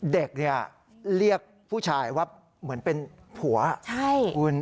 เด็กเนี่ยเรียกผู้ชายว่าเหมือนเป็นผัวใช่คุณ